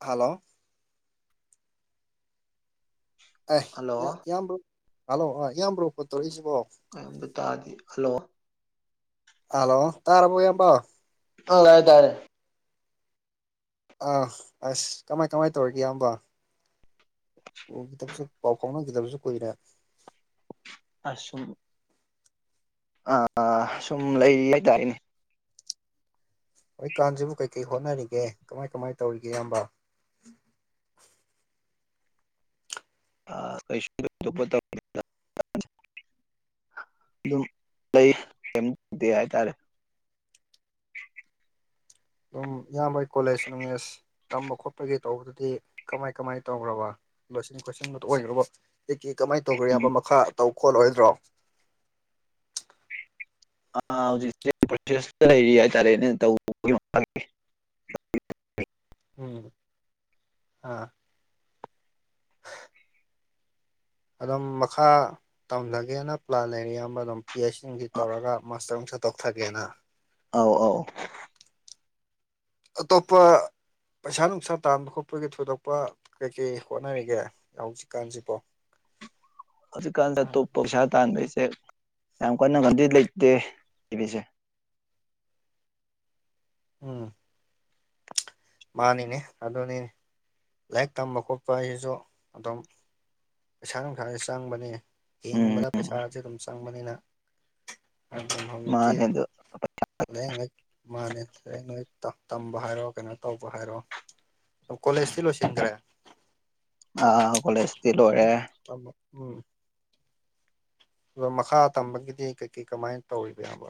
hello ꯑꯦ hello ꯏ ꯏꯕ꯭ꯔꯣ ꯍꯜꯂꯣ ꯑ ꯏꯌꯥꯝꯕ꯭ꯔꯣ ꯐꯣꯠ ꯇꯧꯔꯛꯏꯁꯤꯕꯣ ꯀꯣꯝꯗ ꯇꯥꯗꯤ ꯍꯜꯂꯣ ꯍꯂꯣ ꯇꯥꯔꯥꯕ ꯌꯥꯝꯝꯕꯣ ꯑ ꯍꯥꯏꯥꯏ ꯇꯥꯏꯔꯦ ꯑꯥ ꯑꯁ ꯀꯃꯥꯏ ꯀꯃꯥꯏ ꯇꯧꯔꯤꯒꯦ ꯏꯌꯥꯝꯕ ꯎꯗꯕꯁꯨ ꯄꯥꯎ ꯐꯥꯎꯅꯈꯤꯗꯕꯁꯨ ꯀꯨꯏꯅ ꯑꯁꯣ ꯑ ꯁꯨꯝ ꯂꯩ ꯍꯥꯏꯇꯥꯔꯦꯅꯦ ꯍꯣꯏ ꯀꯥꯟꯁꯤꯕꯨ ꯀꯩ ꯀꯩ ꯍꯣꯠꯅꯔꯤꯒꯦ ꯀꯃꯥꯏ ꯀꯃꯥꯏꯅ ꯇꯧꯔꯤꯒꯦ ꯏꯌꯥꯝꯕ ꯑ ꯀꯩꯁꯨ ꯑꯗꯨꯝ ꯂꯩ ꯀꯩꯗꯦ ꯍꯥꯏꯇꯥꯔꯦ ꯑꯗꯨꯝ ꯏꯌꯥꯝꯕꯩ ꯀꯣꯂꯦꯖ ꯣꯅꯦꯖ ꯇꯝꯕ ꯈꯣꯠꯄꯒꯤ ꯇꯧꯕꯗꯨꯗꯤ ꯀꯃꯥꯏ ꯀꯃꯥꯏꯅ ꯇꯧꯈ꯭ꯔꯕ ꯂꯣꯏꯁꯤꯟ ꯈꯣꯠꯁꯤꯟꯕꯗꯨꯣ ꯑꯣꯏꯈ꯭ꯔꯕ ꯀ ꯀꯦ ꯀꯃꯥꯏꯅ ꯇꯧꯈ꯭ꯔꯦ ꯌꯥꯕ ꯃꯈꯥ ꯇꯧ ꯈꯣꯠꯂꯣꯏꯗ꯭ꯔꯣ ꯑ ꯍꯧꯖꯤꯛ ꯄ꯭ꯔꯣꯁꯦꯁꯇ ꯂꯩꯔꯤ ꯍꯥꯏꯇꯥꯔꯦꯅꯦ ꯇꯧꯕꯒꯤ ꯎꯝ ꯑꯥ ꯍ ꯑꯗꯨꯝ ꯃꯈꯥ ꯇꯝꯖꯒꯦꯅ ꯄ꯭ꯂꯥꯟ ꯂꯩꯔꯤ ꯑꯌꯥꯝꯕ ꯑꯗꯨꯝ ꯄꯤ ꯑꯩꯆ ꯁꯤꯡꯁꯤ ꯇꯧꯔꯒ ꯃꯥꯁꯇꯔ ꯑꯃꯨꯛꯁ ꯇꯧꯊꯒꯦꯅ ꯑꯧ ꯑꯧ ꯑꯇꯣꯞꯄ ꯄꯩꯁꯥ ꯅꯨꯡꯁꯥ ꯇꯥꯟꯕ ꯈꯣꯠꯄꯒꯤ ꯊꯣꯏꯗꯣꯛꯄ ꯀꯩ ꯀꯩ ꯍꯣꯠꯅꯔꯤꯒꯦ ꯍꯧꯖꯤꯛꯀꯥꯟꯁꯤꯕꯣ [inaudible] ꯍꯧꯖꯤꯛꯀꯥꯟꯗ ꯑꯇꯣꯞꯄ ꯄꯩꯁꯥ ꯇꯥꯟꯕꯩꯁꯦ ꯌꯥꯝ ꯀꯟꯅ ꯀꯟꯗꯤ ꯂꯩꯇꯦ ꯂꯩꯔꯤꯁꯦ ꯎꯝ ꯃꯥꯅꯤꯅꯦ ꯑꯗꯨꯅꯤ ꯂꯥꯏꯔꯤꯛ ꯇꯝꯕ ꯈꯣꯠꯄ ꯍꯥꯏꯁꯤꯁꯨ ꯑꯗꯨꯝ ꯄꯩꯁꯥ ꯅꯨꯡꯁꯥꯥꯁꯦ ꯆꯪꯕꯅꯤ ꯎꯝ ꯍꯤꯡꯕꯗ ꯄꯩꯁꯥꯁꯦ ꯑꯗꯨꯝ ꯆꯪꯕꯅꯤꯅ ꯑꯗꯨ ꯍꯧꯗꯤ ꯃꯥꯅꯦ ꯑꯗꯣ ꯂꯥꯏꯌꯦꯡ ꯂꯛ ꯃꯥꯅꯦ ꯂꯥꯏꯌꯦꯡ ꯂ ꯇꯝꯕ ꯍꯥꯏꯔꯣ ꯀꯩꯅꯣ ꯇꯧꯕ ꯍꯥꯏꯔꯣꯑꯣ ꯑ ꯀꯣꯂꯦꯖꯇꯤ ꯂꯣꯏꯁꯤꯟꯈ꯭ꯔꯦ ꯑ ꯀꯣꯂꯦꯁ ꯑꯃ ꯎꯝ ꯑꯗꯣ ꯃꯈꯥ ꯇꯝꯕꯒꯤꯗꯤ ꯀꯩꯀꯩ ꯀꯃꯥꯏꯅ ꯇꯧꯔꯤꯕ ꯌꯥꯕꯣ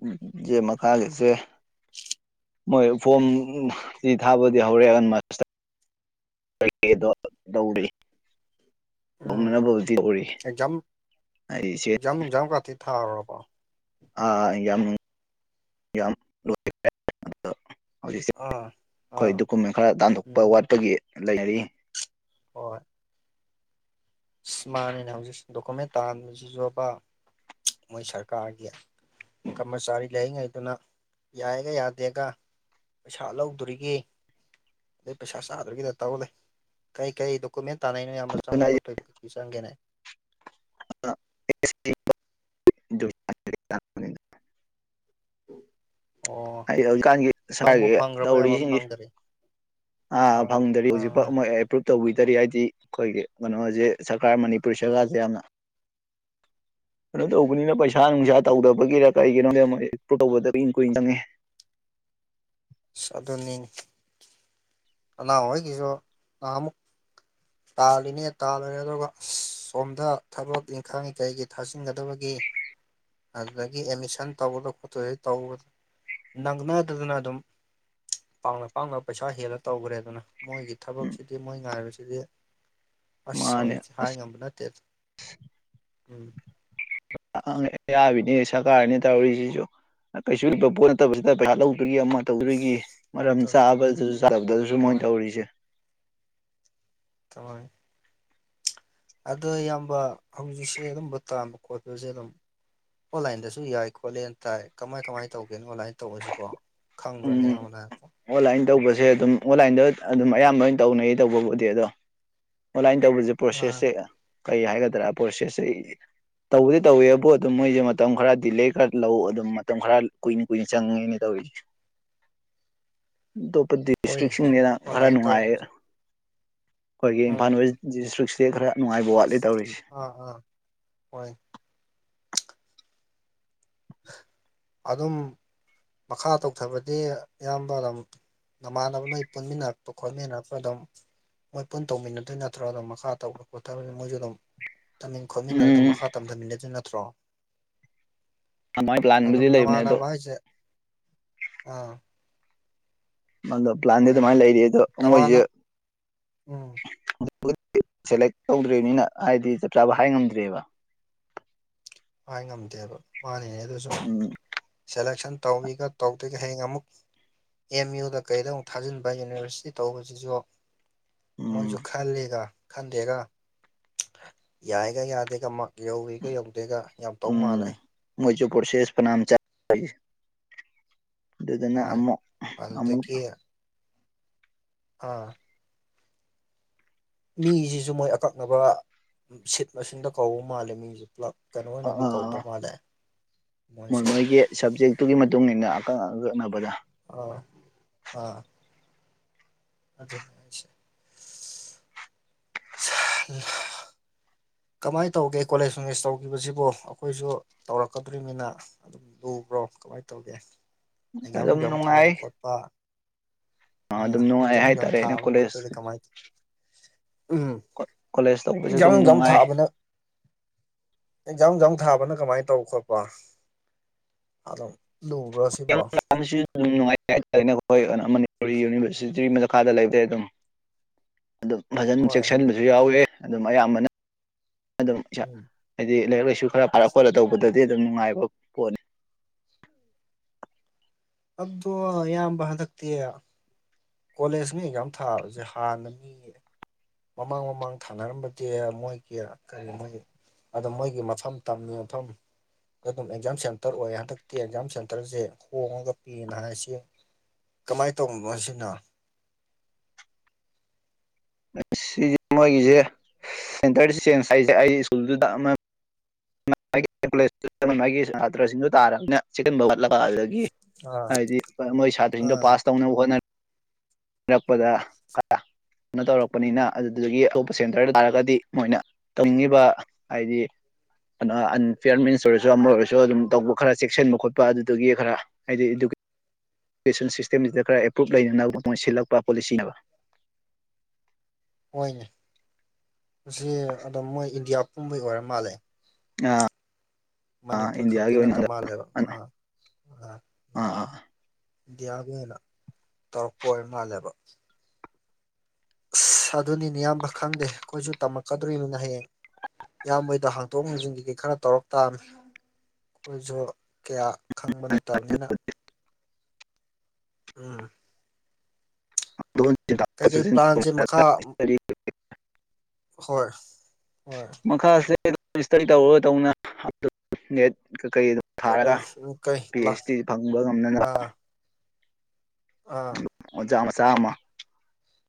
ꯎꯝ ꯃꯀꯥꯟꯒꯤꯁꯦ [inaudible] ꯃꯣꯏ ꯐꯣꯝ ꯁꯤ ꯊꯥꯕꯗꯤ ꯍꯧꯔꯛꯑꯒꯅ ꯃꯥ ꯗꯧꯦ ꯎꯝ ꯑꯣꯅ ꯕꯨꯗꯤ ꯑꯣꯏ ꯑꯩꯦ ꯍꯛꯖꯥꯡ ꯅꯨꯡꯖꯥ ꯀꯥꯇꯤ ꯊꯥꯔꯕꯣ ꯑ ꯌꯥꯝ ꯌꯥꯝ ꯂ ꯑꯗꯣ ꯍꯧꯖꯤꯛꯁꯦ ꯑꯥ ꯑꯩꯈꯣꯏ ꯑꯥ ꯗꯣꯀꯨꯃꯦꯟ ꯈꯔ ꯇꯥꯟꯊꯣꯛꯄ ꯎꯝ ꯋꯥꯠꯄꯒꯤ ꯂꯩꯅꯔꯤ ꯍꯣꯏ ꯑ ꯃꯥꯅꯦꯅꯦ ꯍꯧꯖꯤꯛ ꯗꯣꯀꯨꯃꯦꯟ ꯇꯥꯕꯁꯤꯁꯨ ꯑꯕ ꯃꯣꯏ ꯁꯔꯀꯥꯔꯒꯤ ꯀꯔꯃꯆꯥꯔꯤ ꯂꯥꯏꯔꯤꯡꯉꯩꯗꯨꯅ ꯌꯥꯏꯑꯒ ꯌꯥꯗꯦꯒ ꯄꯩꯁꯥ ꯂꯧꯗꯣꯔꯤꯒꯦ ꯑꯗꯩ ꯄꯩꯁꯥ ꯆꯥꯗꯔꯤꯒꯤꯗ ꯇꯧꯂꯦ ꯀꯩ ꯀꯩ ꯗꯣꯀꯨꯃꯦꯟ ꯇꯥꯟꯅꯣ ꯑꯕ ꯑꯗꯨꯅ ꯆꯪꯕ ꯈꯣꯠꯇꯣꯏꯕ ꯀꯩ ꯆꯪꯒꯦꯅꯦ [inaudible] ꯎꯝ ꯑꯩ ꯍꯧꯖꯤꯛꯀꯥꯟꯒꯤ ꯐꯪꯈ꯭ꯔꯕ ꯌꯥꯝꯕ ꯇꯧꯔꯤꯁꯤꯡꯁꯤ ꯐꯪꯗꯔꯤ ꯑꯥ ꯐꯪꯗ꯭ꯔꯤ ꯑꯥ ꯑꯥ ꯍꯧꯖꯤꯛꯐꯥꯎ ꯑꯦꯄ꯭ꯔꯚ ꯇꯧꯕꯤꯗꯔꯤ ꯍꯥꯏꯗꯤ ꯑꯩꯈꯣꯏꯒꯤ ꯀꯩꯅꯣꯁꯦ ꯁꯔꯀꯥꯔ ꯃꯅꯤꯄꯨꯔ ꯁꯔꯀꯥꯔꯁꯦ ꯌꯥꯝꯅ [inaudible] ꯀꯩꯅꯣ ꯇꯧꯕꯅꯤꯅ ꯄꯩꯁꯥ ꯅꯨꯡꯁꯥ ꯇꯧꯗꯕꯒꯤꯔ ꯀꯔꯤꯒꯤꯅꯣ ꯇꯧꯕ ꯀꯨꯏ ꯆꯪꯉꯦ ꯁꯥ ꯑꯗꯨꯅꯤꯅꯤ ꯂ ꯍ ꯀꯁꯨ ꯑ ꯑꯃꯨꯛ ꯇꯥꯜꯂꯤꯅꯦ ꯇꯥꯜꯂꯨꯔꯦ ꯑꯗꯨꯒ ꯁꯣꯝꯗ ꯊꯕꯛ ꯏꯪꯈꯥꯡꯒꯤ ꯀꯩꯒꯤ ꯊꯥꯖꯤꯟꯒꯗꯕꯒꯦ ꯑꯗꯨꯗꯒꯤ ꯑꯦꯠꯃꯤꯁꯟ ꯇꯧꯕꯗ ꯈꯣꯠꯇꯣ ꯇꯧꯕꯗ ꯅꯪꯅꯗꯗꯅ ꯑꯗꯨꯝ ꯄꯥꯡꯅ ꯄꯥꯛꯅ ꯄꯩꯁꯥ ꯍꯦꯜꯂ ꯇꯧꯈ꯭ꯔꯦ ꯑꯗꯨꯅ ꯃꯣꯏꯒꯤ ꯎꯝ ꯊꯕꯛꯁꯤꯗꯤ ꯃꯣꯏ ꯉꯥꯏꯔꯤꯁꯤꯗꯤ ꯑꯁ ꯃꯥꯅꯦ ꯁꯖꯤ ꯍꯥꯏ ꯉꯝꯕ ꯅꯠꯇꯦꯗ ꯎꯝ ꯅꯤ ꯑꯦꯁꯥ ꯀꯅꯤ ꯇꯧꯔꯤꯁꯤꯁꯨ ꯀꯩꯔꯤꯣꯦ ꯁꯤ ꯍꯥ ꯂꯧ ꯎꯔꯤ ꯑꯃꯅ ꯇꯧꯗꯣꯏꯒꯤ ꯃꯔꯝ ꯍꯣꯏ ꯆꯥꯕꯗꯁꯨ ꯆꯥꯗꯕꯗꯁꯨ ꯃꯣꯏꯅ ꯍꯣꯏ ꯇꯧꯔꯤꯁꯦ ꯇꯃꯣꯏ ꯑꯗꯣ ꯏꯌꯥꯝꯕ ꯍꯧꯖꯤꯛꯁꯦ ꯑꯗꯨꯝꯕ ꯇꯥꯟꯕ ꯈꯣꯠꯄꯁꯦ ꯑꯗꯨꯝ ꯑꯣꯟꯂꯥꯏꯟꯗꯁꯨ ꯌꯥꯏ ꯈꯣꯠꯂꯦꯅ ꯇꯥꯏ ꯀꯃꯥꯏ ꯀꯃꯥꯏꯅ ꯇꯧꯒꯦꯅ ꯑꯣꯟꯂꯥꯏꯟꯗ ꯇꯧꯕꯔꯁꯤꯕꯣ ꯈꯪꯕ꯭ꯔꯥꯅꯤ ꯎꯝ ꯑꯃꯅ ꯍꯥꯏꯀꯣ ꯑꯣꯟꯂꯥꯏꯟ ꯇꯧꯕꯁꯦ ꯑꯗꯨꯝ ꯑꯣꯟꯂꯥꯏꯟꯗ ꯑꯗꯨꯝ ꯑꯌꯥꯝꯕ ꯑꯣꯏꯅ ꯇꯧꯅꯩ ꯇꯧꯕꯕꯨꯗꯤ ꯑꯗꯣ ꯑꯣꯟꯂꯥꯏꯟ ꯇꯧꯕꯁꯦ ꯑꯥ ꯄ꯭ꯔꯣꯁꯦꯁꯁꯦ ꯀꯩ ꯍꯥꯏꯒꯗ꯭ꯔꯥ ꯄ꯭ꯔꯣꯁꯦꯁꯁꯦ ꯇꯧꯕꯗꯤ ꯇꯧꯋꯦꯕꯨ ꯑꯗꯨꯝ ꯃꯣꯏꯁꯦ ꯃꯇꯝ ꯈꯔ ꯗꯤꯂꯦ ꯈꯔ ꯂꯧ ꯑꯗꯨꯝ ꯃꯇꯝ ꯈꯔ ꯀꯨꯏꯅ ꯀꯨꯏꯅ ꯆꯪꯉꯦꯅꯦ ꯇꯧꯔꯤꯗꯤ ꯑꯇꯣꯞꯄ ꯍꯣꯏꯅꯦ ꯗꯤꯁꯇ꯭ꯔꯤꯛꯁꯤꯡꯁꯤꯅ ꯈꯔ ꯑꯣꯟꯂꯥꯏꯟ ꯅꯨꯡꯉꯥꯏ ꯇꯧꯕꯁꯦ ꯑꯩꯈꯣꯏꯒꯤ ꯎꯝ ꯏꯝꯐꯥꯜ ꯋꯦꯁ ꯁꯇ꯭ꯔꯤꯛꯁꯤꯗ ꯈꯔ ꯅꯨꯡꯉꯥꯏꯕ ꯋꯥꯠꯂꯤ ꯇꯧꯔꯤꯁꯦ ꯑꯥ ꯑꯥ ꯍꯣꯏ ꯑꯗꯨꯝ ꯃꯈꯥ ꯇꯧꯊꯕꯗꯤ ꯑꯌꯥꯝꯕ ꯑꯗꯨ ꯅꯃꯥꯟꯅꯕ ꯅꯣꯏ ꯄꯨꯟꯃꯤꯟꯅꯔꯛꯄ ꯈꯣꯠꯃꯤꯟꯅꯔꯛꯄ ꯑꯗꯨꯝ ꯃꯣꯏ ꯄꯨꯟ ꯇꯧꯃꯤꯟꯅꯗꯣꯏ ꯅꯠꯇ꯭ꯔꯣ ꯑꯗꯨꯝ ꯃꯈꯥ ꯇꯧꯕ ꯈꯣꯠꯇꯕꯗꯤ ꯃꯣꯏꯁꯨ ꯑꯗꯨꯝ ꯇꯝꯃꯤꯟ ꯈꯣꯠꯃꯤꯟꯅꯔ ꯑꯗꯨꯝ ꯎꯝ ꯃꯈꯥ ꯇꯝꯊꯃꯤꯟꯅꯗꯨ ꯅꯠꯇ꯭ꯔꯣ ꯑꯗꯨꯃꯥꯏꯅ ꯑꯗꯨꯝ ꯄ꯭ꯂꯥꯟꯕꯨꯗꯤ ꯂꯩꯕꯅꯦ ꯑꯗꯣ ꯅꯃꯥꯟꯅꯕ ꯍꯥꯏꯁꯦ ꯑꯥ ꯃꯗ ꯄ꯭ꯂꯥꯟꯗꯤ ꯍꯣꯏ ꯑꯗꯨꯃꯥꯏꯅ ꯂꯩꯔꯤ ꯑꯗꯣ ꯃꯣꯏꯁꯨꯦ ꯅꯃꯥꯟꯅ ꯎꯝ ꯁꯦꯂꯦꯛ ꯇꯧꯗ꯭ꯔꯔꯤꯕꯅꯤꯅ ꯍꯥꯏꯗꯤ ꯆꯞ ꯆꯥꯕ ꯍꯥꯏ ꯉꯝꯗ꯭ꯔꯦꯕ ꯍꯥꯏ ꯉꯝꯗꯦꯕ ꯋꯔꯤꯉꯩꯗꯨꯗꯁꯨ ꯎꯝ ꯁꯦꯂꯦꯛꯁꯟ ꯇꯧꯋꯒ ꯇꯧꯗꯣꯏꯒ ꯍꯌꯦꯡ ꯑꯃꯨꯛ ꯑꯦꯝ ꯌꯨꯗ ꯀꯩꯗ ꯑꯃꯨꯛ ꯊꯥꯖꯤꯟꯕ ꯌꯨꯅꯤꯚꯔꯁꯤꯇꯤ ꯇꯧꯕꯁꯤꯁꯨ ꯎꯝ ꯃꯣꯏꯖꯨ ꯈꯜꯂꯤꯗ ꯈꯟꯗꯦꯒ ꯌꯥꯏꯒ ꯌꯥꯗꯦꯒ ꯃꯥꯛ ꯌꯧꯏꯒ ꯌꯧꯗꯦꯒ ꯌꯥꯝ ꯇꯧ ꯎꯝ ꯃꯥꯜꯂꯦ ꯃꫭꯏꯖꯨ ꯄꫭꯔꯁꯤꯁ ꯐꯅꯥꯝ ꯆ [unintelligible] ꯑꯗꯨꯗꯨꯅ ꯍꯣꯏ ꯑꯃꯨꯛ ꯑꯃꯨꯛ ꯑꯗꯨꯗꯒꯤ ꯑꯥ ꯃꯤꯁꯤꯁꯨ ꯃꯣꯏ ꯑꯀꯛꯅꯕ ꯁꯤꯠ ꯃꯁꯤꯡꯗ ꯀꯧꯕ ꯃꯥꯜꯂꯦ ꯃꯤꯁꯤ ꯄꯨꯂꯞ ꯀꯩꯅꯣ ꯑꯣꯏꯅꯗꯤ ꯀꯧꯗ ꯃꯥꯜꯂꯦ ꯃꯣꯏꯁꯨ ꯁꯞꯖꯦꯛꯇꯨꯒꯤ ꯃꯇꯨꯡ ꯏꯟꯅ ꯑꯀꯛ ꯑꯀꯛꯅꯕꯗ ꯑ ꯑꯥ ꯑꯖ ꯁꯤ [unintelligible] ꯁ ꯅ [unintelligible] ꯀꯃꯥꯏ ꯇꯧꯒꯦ ꯀꯣꯂꯦꯖ ꯅꯨꯡꯂꯦꯖ ꯇꯧꯈꯤꯕꯁꯤꯕꯨ ꯑꯩꯈꯣꯏꯁꯨ ꯇꯧꯔꯛꯀꯗꯣꯔꯤꯃꯤꯅꯤ ꯗꯨꯝ ꯂꯨꯕ꯭ꯔꯣ ꯀꯃꯥꯏ ꯇꯧꯒꯦ ꯑꯦꯛꯖꯥꯝ ꯑꯗꯨꯝ ꯅꯨꯡꯖꯥꯝ ꯊꯥꯕ ꯅꯨꯡꯉꯥꯏ ꯈꯣꯠꯄ ꯍꯥ ꯑꯗꯨꯝ ꯅꯨꯡꯉꯥꯏ ꯑꯦꯛꯖꯥꯝ ꯅꯨꯡꯖꯥꯝ ꯍꯥꯏꯇꯥꯔꯦ ꯑꯩꯅ ꯊꯥꯕ ꯀꯣꯂꯦꯖ ꯈꯣꯠꯄꯗ ꯀꯃꯥꯏ ꯀꯣ ꯀꯣꯂꯦꯖ ꯇꯧꯕꯖꯨ ꯑꯗꯨꯝ ꯅꯨꯡꯉꯥꯏ ꯗ ꯑꯦꯛꯖꯥꯝ ꯅꯨꯡꯝ ꯊꯥꯕꯅ ꯀꯃꯥꯏ ꯇꯧ ꯈꯣꯠꯄ ꯑꯗꯨꯝ ꯂꯨꯕ꯭ꯔꯣ ꯑꯦꯛꯖꯥꯝ ꯁꯤꯕꯣ ꯅꯨꯡꯖꯥꯝꯁꯤ ꯅꯨꯡꯉꯥꯏ ꯍꯥꯏꯇꯥꯔꯦꯅꯦ ꯑꯩꯈꯣꯏ ꯃꯅꯤꯄꯨꯔꯤ ꯌꯨꯅꯤꯚꯔꯁꯤꯇꯤ ꯃꯈꯥꯗ ꯂꯩꯕꯗꯤ ꯑꯗꯨꯝ ꯑꯗꯨꯝ ꯐꯖꯅ ꯍꯣꯏ ꯆꯦꯛꯁꯤꯟꯕꯁꯨ ꯌꯥꯎꯋꯦ ꯑꯗꯨꯝ ꯑꯌꯥꯝꯕꯅ ꯑꯗꯨꯝ ꯏꯁꯥ ꯎꯝ ꯍꯥꯏꯗꯤ ꯂꯥꯏꯔꯤꯛ ꯂꯥꯏꯁꯨ ꯈꯔ ꯄꯥꯔ ꯈꯣꯠꯂ ꯇꯧꯕꯗꯗꯤ ꯑꯗꯨꯝ ꯅꯨꯡꯉꯥꯏꯕ ꯄꯣꯠꯅꯤ ꯑꯗꯣ ꯏꯌꯥꯝꯕ ꯍꯟꯗꯛꯇꯤ ꯀꯣꯂꯦꯖ ꯃꯤ ꯑꯦꯛꯖꯥꯝ ꯊꯥꯕꯁꯦ ꯍꯥꯟꯅ ꯃꯤ [unintelligible] ꯃꯃꯥꯡ ꯃꯃꯥꯡ ꯊꯥꯅꯔꯝꯕꯗꯤ ꯃꯣꯏꯒꯤ ꯀꯔꯤ ꯃꯣꯏꯒꯤ ꯑꯗꯣ ꯃꯣꯏꯒꯤ ꯃꯐꯝ ꯇꯝꯃꯤ ꯃꯐꯝ ꯑꯗꯨꯝ ꯑꯦꯛꯖꯥꯝ ꯁꯦꯟꯇꯔ ꯑꯣꯏ ꯍꯟꯗꯛꯇꯤ ꯑꯦꯛꯖꯥꯝ ꯁꯦꯟꯇꯔꯖꯦ ꯍꯣꯡꯉꯒ ꯄꯤꯅ ꯍꯥꯏꯁꯤ ꯀꯃꯥꯏ ꯇꯧꯕꯅ‌ꫭ ꯑꯁꯤꯅ ꯁꯤ ꯃꯣꯏꯒꯤꯖꯦ ꯁꯦꯟꯇꯔ ꯆꯦꯟꯖ ꯍꯥꯏꯁꯦ ꯑꯩ ꯁ꯭ꯀꯨꯜꯗꯨꯗ ꯑꯃ ꯃꯥꯏ ꯃꯥꯏ ꯀꯣꯂꯦꯖ [unintelligible] ꯃꯥꯏ ꯃꯥꯏꯒꯤ ꯁꯥꯇ꯭ꯔꯁꯤꯡꯗꯨ ꯇꯥꯔꯕꯅꯤꯅ ꯆꯦꯛꯁꯟꯕ ꯋꯥꯠꯂꯒ ꯑꯗꯒꯤ ꯑꯥ ꯍꯥꯏꯗꯤ ꯃꯣꯏ ꯁꯥꯇ꯭ꯔꯁꯤꯡꯗꯣ ꯑꯥ ꯄꯥꯁ ꯇꯧꯅꯕ ꯍꯣꯠꯅ ꯔꯛꯄꯗ ꯀ [unintelligible] ꯀꯩꯅꫭ ꯇꯧꯔꯛꯄꯅꯤꯅ ꯑꯗꯨꯗꯨꯒꯤ ꯑꯇꯣꯞꯄ ꯁꯦꯟꯇꯔ ꯇꯥꯔꯒꯗꯤ ꯃꯣꯏꯅ ꯇꯝꯉꯤꯕ ꯍꯥꯏꯗꯤ ꯀꯩꯅꯣ ꯑꯟꯐꯤꯌꯥꯔ ꯃꯤꯟꯁ ꯑꯣꯏꯔꯁꯨ ꯑꯃ ꯑꯣꯏꯔꯁꯨ ꯑꯗꯨꯝ ꯇꯧꯕ ꯈꯔ ꯆꯦꯛꯁꯤꯟꯕ ꯈꯣꯠꯄ ꯑꯗꯨꯗꯨꯒꯤ ꯈꯔ ꯍꯥꯏꯗꯤ ꯑꯗꯨꯒꯤ ꯏꯖꯨꯀꯦꯁꯟ ꯁꯤꯁꯇꯦꯝꯁꯤꯗ ꯈꯔ ꯑꯦꯄ꯭ꯔꯨꯞ ꯂꯩꯅꯅꯕ ꯃꯣꯏ ꯁꯤꯜꯂꯛꯄ ꯄꯣꯂꯤꯁꯤꯅꯦꯕ ꯍꯣꯏꯅꯦ ꯃꯁꯤ ꯑꯗꯨꯝ ꯃꯣꯏ ꯏꯟꯗꯤꯌꯥ ꯄꯨꯝꯕꯩ ꯑꯣꯏꯔ ꯃꯥꯜꯂꯦ ꯑꯥ ꯃꯅꯤꯄꯨꯔ ꯈꯛꯀꯤ ꯅꯠꯇ ꯃꯥꯜꯂꯦꯕ ꯑꯥ ꯑꯥ ꯑꯥ ꯏꯟꯗꯤꯌꯥꯒꯤ ꯑꯣꯏꯅ ꯇꯧꯔꯛꯄ ꯑꯣꯏꯔ ꯃꯥꯜꯂꯦꯕ ꯑꯁ ꯑꯗꯨꯅꯤꯅꯦ ꯏꯌꯥꯝꯕ ꯈꯪꯗꯦ ꯑꯩꯈꯣꯏꯁꯨ ꯇꯝꯃꯛꯀꯗꯣꯔꯤꯕꯅꯤꯅ ꯍꯌꯦꯡ ꯏꯌꯥꯝꯕꯍꯣꯏꯗ ꯍꯥꯡꯇꯣꯛ ꯍꯥꯡꯖꯤꯟꯒꯤꯗꯤ ꯈꯔ ꯇꯧꯔꯛ ꯇꯥꯕꯅꯤ ꯑꯩꯈꯣꯏꯁꯨ ꯀꯌꯥ ꯈꯪꯕ ꯅꯠꯇꯝꯅꯤꯅ ꯎꯝ ꯗꯣꯏ [unintelligible] ꯀꯩꯀꯩ ꯄ꯭ꯂꯥꯟꯁꯦ ꯃꯈꯥ ꯍꯣꯏ ꯍꯣꯏ ꯃꯈꯥꯥꯁꯦ [unintelligible] ꯁ꯭ꯇꯗꯤ ꯇꯧꯔꯔꯣꯏꯗꯧꯅ [unintelligible] ꯑꯗꯨꯝ ꯅꯦꯠ ꯀꯀꯩ ꯑꯗꯨꯝ ꯊꯥꯔꯒ ꯀꯩ ꯄꯤ ꯄ꯭ꯂꯥꯟ ꯑꯩꯆ ꯗꯤ ꯐꯪꯕ ꯉꯝꯅꯅꯕ ꯑꯥ ꯑꯥ ꯑꯣꯖꯥ ꯃꯆꯥꯝꯃ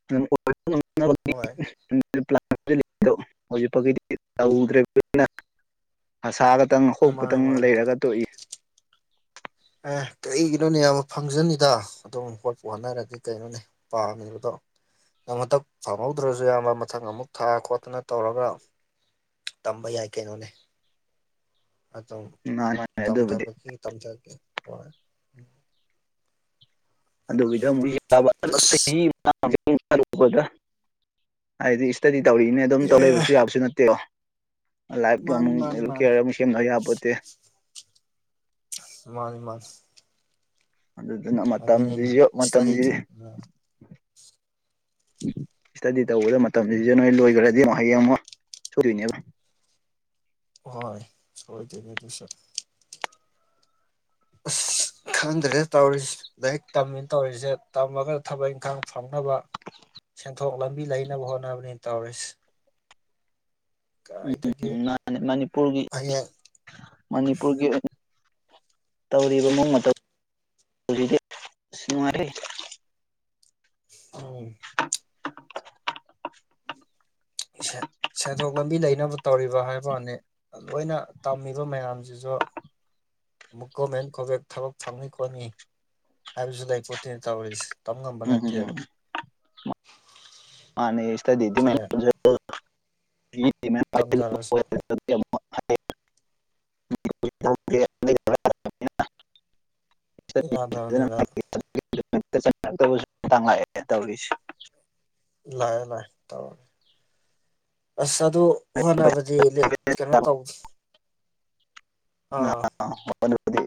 ꯑꯗꯨꯝ ꯑꯣꯏꯕ ꯉꯝꯅꯕ ꯍꯣꯏ [unintelligible] ꯄ꯭ꯂꯥꯟ [unintelligible] ꯍꯧꯖꯤꯛꯐꯧꯒꯤꯗꯤ ꯇꯧꯗ꯭ꯔꯤꯝꯅꯤꯅ ꯑꯁꯥ ꯒꯇꯪ ꯃꯥꯅꯦ ꯍꯣꯞꯒꯇꯪ ꯃꯥꯅꯦ ꯂꯩꯔꯒ ꯇꯣꯛꯏ ꯑꯦ ꯀꯩꯒꯤꯅꯣꯅꯦ ꯐꯪꯖꯅꯤꯗ ꯑꯗꯨꯝ ꯍꯣꯠꯄ ꯍꯣꯠꯅꯔꯗꯤ ꯀꯩꯅꯣꯅꯦ ꯄꯥꯝꯃꯤꯕꯗꯣ ꯅꯪ ꯍꯟꯇꯛ ꯐꯪꯍꯧꯗ꯭ꯔꯖꯨꯌꯥꯝꯕ ꯃꯊꯪ ꯑꯃꯨꯛ ꯊꯥ ꯈꯣꯠꯗꯅ ꯇꯧꯔꯒ ꯇꯝꯕ ꯌꯥꯏ ꯀꯩꯅꯣꯅꯦ ꯑꯗꯨꯝ ꯃꯥꯅꯤ ꯃꯥꯅꯤ ꯑꯗꯨꯕꯨꯗꯤ ꯇꯝꯊꯕꯒꯤ ꯇꯝꯊꯒꯦ ꯍꯣꯏ [unintelligible] ꯑꯁ ꯍꯥꯏꯗꯤ ꯏꯁꯇꯗꯤ ꯇꯧꯔꯤꯅ ꯑꯗꯨꯝ ꯑꯦ ꯇꯧꯂꯩꯕꯁꯨ ꯌꯥꯕꯁꯨ ꯅꯠꯇꯦꯗꯣ ꯂꯥꯏꯞꯀꯤ ꯃꯥꯅꯤ ꯑꯃꯨꯛ ꯃꯥꯅꯤ ꯂꯨ ꯃꯥꯅꯤ ꯀꯤꯌꯔ ꯑꯃꯨꯛ ꯁꯦꯝꯂꯩ ꯌꯥꯄꯣꯠꯇꯦ ꯃꯥꯅꯤ ꯃꯥꯅꯤ ꯑꯗꯨꯗꯨꯅ ꯃꯇꯝꯖꯤꯖꯨ ꯃꯇꯝꯖꯤ ꯑꯣ ꯏꯁꯇꯗꯤ ꯇꯧꯕꯗ ꯃꯇꯝꯖꯤꯖꯨ ꯅꯣꯏ ꯂꯣꯏꯒ꯭ꯔꯗꯤ ꯑꯃꯨꯛ ꯍꯌꯦꯡ ꯑꯃꯨꯛ ꯁꯣꯏꯗꯣꯏꯅꯦꯕ ꯍꯣꯏ ꯁꯣꯏꯗꯣꯏꯅꯦ ꯑꯗꯨꯁꯨ ꯑꯁ ꯈꯟꯗ꯭ꯔꯦ ꯇꯧꯔꯤꯁꯦ ꯂꯥꯏꯔꯤꯛ ꯇꯝꯃꯟ ꯇꯧꯔꯤꯖꯦ ꯇꯝꯃꯒ ꯊꯕꯛ ꯏꯪꯈꯥꯡ ꯐꯪꯅꯕ ꯁꯦꯟꯊꯣꯛ ꯂꯝꯕꯤ ꯂꯩꯅꯕ ꯍꯣꯠꯅꯕꯅꯤ ꯇꯧꯔꯤꯁꯤ ꯎꯝ ꯃꯥꯅꯤ ꯃꯅꯤꯄꯨꯔꯒꯤ ꯍꯌꯦꯡ ꯃꯅꯤꯄꯨꯔꯒꯤ ꯇꯧꯔꯤꯕ ꯃꯑꯣꯡ ꯃꯇꯧ ꯖꯤꯗꯤ ꯅꯨꯡꯉꯥꯏꯍꯦ ꯎꯝ ꯁꯦꯟ ꯁꯦꯟꯊꯣꯛ ꯂꯝꯕꯤ ꯂꯩꯅꯕ ꯇꯧꯔꯤꯕ ꯍꯥꯏꯕꯩ ꯋꯥꯅꯦ ꯂꯣꯏꯅ ꯇꯝꯃꯤꯕ ꯃꯌꯥꯝꯖꯤꯖꯨ ꯑꯃꯨꯛ ꯒꯣꯔꯃꯦꯟ ꯀꯣꯕꯦꯛ ꯊꯕꯛ ꯐꯪꯅꯤ ꯈꯣꯠꯅꯤ ꯍꯥꯏꯕꯖꯨ ꯂꯩꯄꯣꯠꯇꯦ ꯇꯧꯔꯤꯁꯦ ꯇꯝ ꯉꯝꯕ ꯎꯝ ꯎꯝ ꯅꯠꯇꯦꯕ ꯎꯝ ꯃꯥꯅꯦ ꯁꯇꯗꯤ ꯃꯌꯥꯝ ꯇꯝꯖꯜꯂꯨ ꯇꯝꯖꯥꯔꯁꯨ ꯌꯥꯗꯝꯅꯤꯗ ꯆꯪꯉꯛꯇꯧꯕꯁꯨ ꯇꯥꯡ ꯂꯛꯑꯦ ꯇꯧꯔꯤꯁꯦ ꯂꯥꯛꯑꯦ ꯂꯥꯛꯑꯦ ꯇꯧꯋꯦ ꯑꯁ ꯑꯗꯨ ꯍꯣꯠꯅꯕꯗꯤ ꯂꯦꯞꯀꯅꯣ ꯇꯧ ꯑꯥ [unintelligible]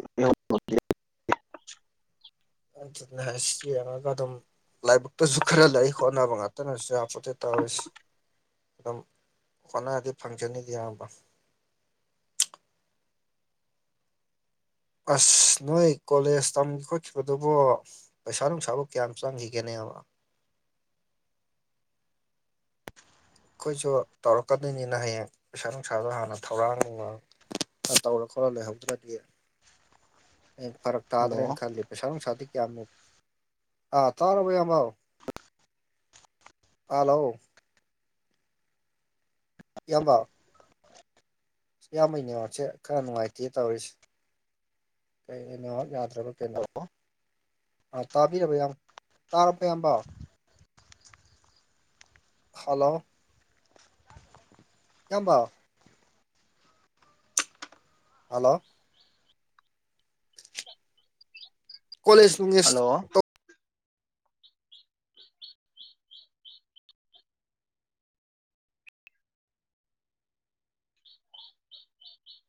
ꯍ ꯆꯨꯝꯅ ꯍꯥꯏꯁꯤ ꯌꯦꯡꯉꯒ ꯑꯗꯨꯝ ꯂꯥꯏꯕꯛꯇꯖꯨ ꯈꯔ ꯂꯩ ꯍꯣꯠꯅꯕ ꯉꯥꯛꯇꯅꯁꯨ ꯌꯥꯝꯄꯣꯠꯇꯦ ꯇꯧꯔꯤꯁꯤ ꯑꯗꯨꯝ ꯍꯣꯠꯅꯔꯗꯤ ꯐꯪꯖꯅꯤꯗ ꯑꯤꯌꯥꯝꯕ ꯑꯁ ꯅꯣꯏ ꯀꯣꯂꯦꯖ ꯇꯝꯈꯤ ꯈꯣꯠꯈꯤꯕꯗꯨꯕꯣ ꯄꯩꯁꯥ ꯅꯨꯡꯁꯥꯕꯨ ꯀꯌꯥꯝ ꯆꯪꯒꯤꯒꯦꯅꯦꯕ ꯑꯈꯣꯏꯁꯨ ꯇꯧꯔꯛꯀꯗꯣꯏꯅꯤꯅ ꯍꯌꯦꯡ ꯄꯩꯁꯥ ꯅꯨꯡꯁꯥꯗꯣ ꯍꯥꯟꯅ ꯊꯧꯔꯥꯡ ꯅꯨꯡꯔꯥꯡ ꯇꯧꯔ ꯈꯣꯠꯂ ꯂꯩꯍꯧꯗ꯭ꯔꯗꯤ ꯍꯌꯦꯡ ꯐꯔꯛ ꯍꯜꯂꯣ ꯇꯥꯗ꯭ꯔꯅ ꯈꯜꯂꯤ ꯄꯩꯁꯥ ꯅꯨꯡꯁꯥꯗꯤ ꯀꯌꯥꯝꯃꯦ ꯑ ꯇꯥꯔꯕꯣ ꯏꯌꯥꯝꯕ ꯑꯂꯣ ꯏꯌꯥꯝꯕ ꯏꯌꯥꯝꯕꯩ ꯅꯦꯠꯋꯥꯛꯆꯦ ꯈꯔ ꯅꯨꯡꯉꯥꯏꯇꯦ ꯇꯧꯔꯤꯁ ꯀꯩ ꯅꯦꯠꯋꯥꯛ ꯌꯥ ꯗꯔꯥꯕ ꯀꯩꯅꯣ ꯑꯥ ꯇꯥꯕꯤꯔꯕꯣ ꯏꯌꯥꯝ ꯇꯥꯔꯕꯣ ꯏꯌꯥꯝꯕ ꯍꯜꯂꯣ ꯏꯌꯥꯝꯕ ꯍꯜꯂꯣ ꯀꯣꯂꯦꯁ ꯅꯨꯡꯂꯦꯁ ꯍꯜꯂꯣ